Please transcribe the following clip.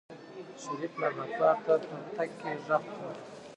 شريف لابراتوار ته په تګ کې غږ کړ.